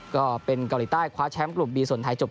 ๒๕๒๑ก็เป็นเกาหลีใต้คว้าแชมป์กรุ่มบีสนไทย